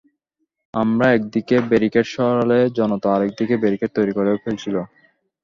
আমরা একদিকে ব্যারিকেড সরালে জনতা আরেক দিকে ব্যারিকেড তৈরি করে ফেলছিল।